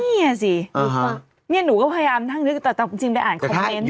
นี่สินี่หนูก็พยายามนึกแต่จริงได้อ่านคอมเม้นท์จากนี้สมมติ